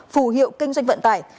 phù hiệu kinh doanh vận tải